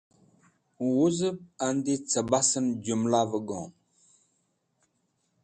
Wuzẽb andi cẽbasẽn jũmlavẽ gom.